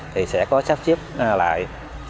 thì sẽ có sắp xếp lại